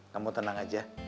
kamu tenang aja